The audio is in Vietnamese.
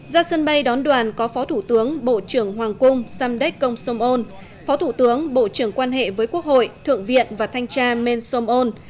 ra sân bay đón đoàn có phó thủ tướng bộ trưởng hoàng cung samdech kong somon phó thủ tướng bộ trưởng quan hệ với quốc hội thượng viện và thanh tra men somon